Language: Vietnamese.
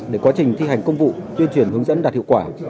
để quá trình thi hành công vụ tuyên truyền hướng dẫn đạt hiệu quả